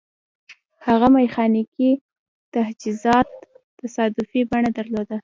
هغه میخانیکي تجهیزات تصادفي بڼه درلوده